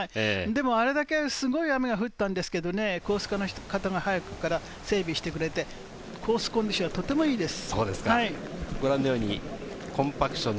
あれだけすごい雨が降ったんですけれど、コース係の方が早くから整備してくれて、コースコンディションはとてもいいです。